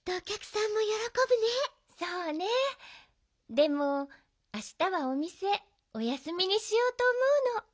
でもあしたはおみせおやすみにしようとおもうの。